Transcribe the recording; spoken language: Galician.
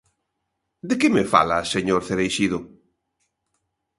¿De que me fala, señor Cereixido?